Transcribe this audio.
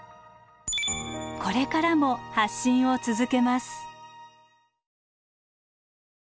これからも発信を続けます。